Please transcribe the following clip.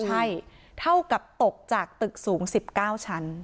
ใช่เท่ากับตกจากตึกสูง๑๙ชั้น